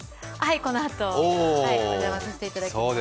このあと、お邪魔させていただきます。